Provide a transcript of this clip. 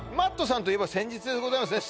Ｍａｔｔさんといえば先日でございますね